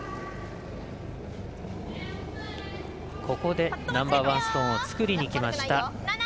ここでナンバーワンストーンを作りにきました。